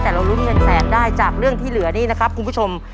แต่เรารุ้นเงินแสนได้จากเรื่องที่เหลือนี้นะครับคุณผู้ชม